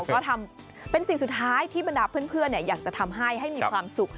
ก็ทำเป็นสิ่งสุดท้ายที่บรรดาเพื่อนอยากจะทำให้ให้มีความสุข